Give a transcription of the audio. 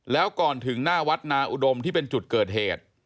แล้วก่อนถึงหน้าวัดนาอุดมที่เป็นจุดเกิดเหตุ